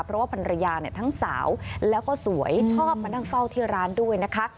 เพราะว่าภรรยาเนี่ยทั้งสาวแล้วก็สวยชอบมานั่งเฝ้าที่ร้านด้วยนะคะ